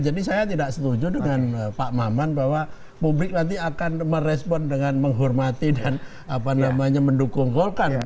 jadi saya tidak setuju dengan pak maman bahwa publik nanti akan merespon dengan menghormati dan mendukung golkar